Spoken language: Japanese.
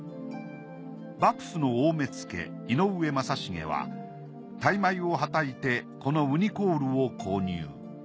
幕府の大目付井上政重は大枚をはたいてこのウニコウルを購入。